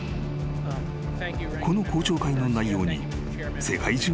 ［この公聴会の内容に世界中が注目した］